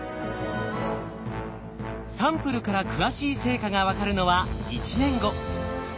サンプルから詳しい成果が分かるのは１年後。